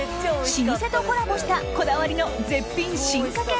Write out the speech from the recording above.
老舗とコラボしたこだわりの絶品絶品進化形